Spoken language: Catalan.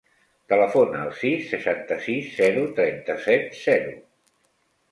Telefona al sis, seixanta-sis, zero, trenta-set, zero.